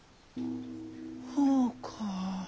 ほうか。